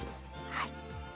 はい。